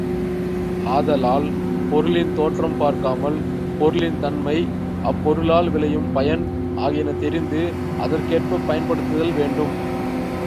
ஆதலால் பொருளின் தோற்றம் பார்க்காமல் பொருளின் தன்மை, அப்பொருளால் விளையும் பயன் ஆகியன தெரிந்து அதற்கேற்பப் பயன்படுத்தல் வேண்டும்.